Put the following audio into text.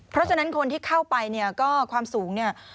เพราะฉะนั้นคนที่เข้าไปเนี่ยก็ความสูงเนี่ย